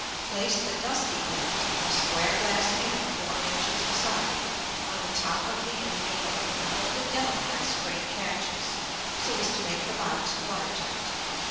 Place the dusty plate a square glass mirror, 4 inches a side on the top of the india rubber, and hold it down by spring catches, so as to make the box water tight.